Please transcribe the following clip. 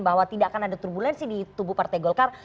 bahwa tidak akan ada turbulensi di tubuh partai golkar